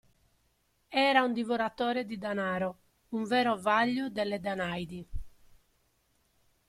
Era un divoratore di danaro, un vero vaglio delle Danaidi.